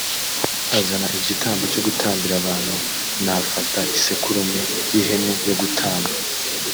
azana igitambo cyo gutambira abantu n afata isekurume y ihene yo gutamba